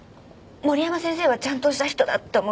森山先生はちゃんとした人だって思ってますから。